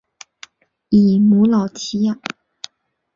以母老乞养。